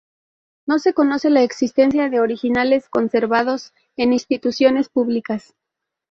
No se conoce la existencia de originales conservados en instituciones públicas.